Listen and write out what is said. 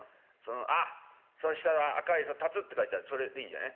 あっその下の赤い龍って書いてあるそれでいいんじゃない？